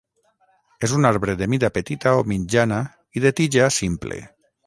És un arbre de mida petita o mitjana i de tija simple.